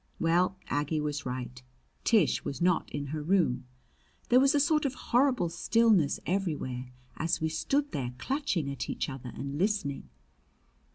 Well, Aggie was right. Tish was not in her room. There was a sort of horrible stillness everywhere as we stood there clutching at each other and listening.